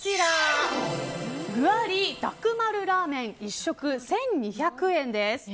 具あり濁まるラーメン１食、１２００円です。